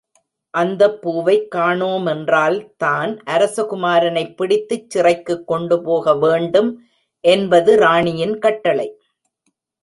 அந்தப் பூவைக் காணோமென்றால் தான் அரசகுமாரனைப்பிடித்துச் சிறைக்குக்கொண்டுபோக வேண்டும் என்பது ராணியின் கட்டளை.